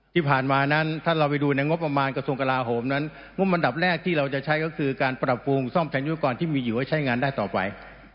ที่ผ่านมานั้นถ้าเราไปดูในงบประมาณกระทรวงกลาโหมนั้นงบอันดับแรกที่เราจะใช้ก็คือการปรับปรุงซ่อมแทนยุกรที่มีอยู่ให้ใช้งานได้ต่อไป